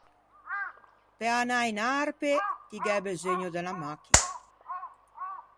Pe anâ in Arpe ti gh'æ beseugno de unna machina.